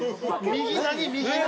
右何？